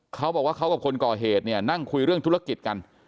เขาบอกว่าเขากับคนก่อเหตุเนี่ยนั่งคุยเรื่องธุรกิจกัน